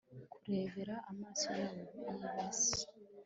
kurebera amaso yabo y'ibase